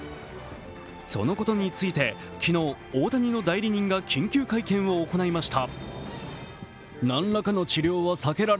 そのことについて昨日、大谷の代理人が緊急会見を行いました。